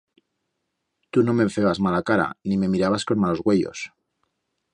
Tu no me febas mala cara, ni me mirabas con malos uellos.